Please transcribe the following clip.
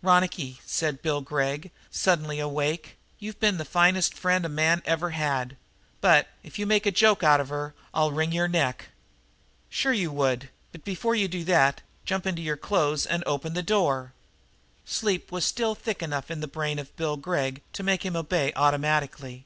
"Ronicky," said Bill Gregg, suddenly awake, "you've been the finest friend a man ever had, but, if you make a joke out of her, I'll wring your neck!" "Sure you would. But, before you do that, jump into your clothes and open the door." Sleep was still thick enough in the brain of Bill Gregg to make him obey automatically.